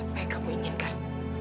apa yang kamu inginkan